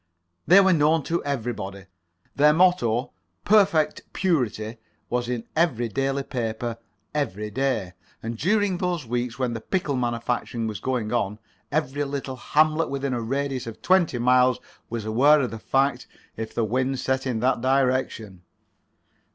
They were known to everybody. Their motto—"Perfect Purity"—was in every daily paper every day. And during those weeks when the pickle manufacturing was going on, every little hamlet within a radius of twenty miles was aware of the fact if the wind set in that direction.